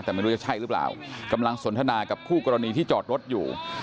แต่ไม่รู้จะใช่หรือเปล่ากำลังสนทนากับคู่กรณีที่จอดรถอยู่